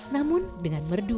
namun dengan merdu